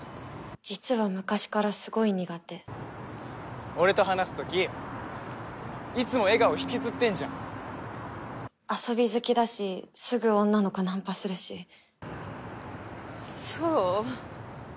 実は昔からすごい苦手俺と話す時いつも笑顔ひきつってんじゃん遊び好きだしすぐ女の子ナンパするしそう？